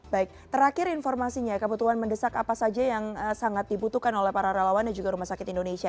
baik terakhir informasinya kebutuhan mendesak apa saja yang sangat dibutuhkan oleh para relawan dan juga rumah sakit indonesia